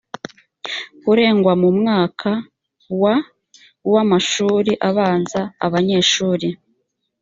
kurengwa mu mwaka wa w amashuri abanza abanyeshuri